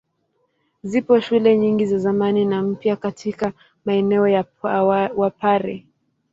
Zipo shule nyingi za zamani na mpya katika maeneo ya Wapare.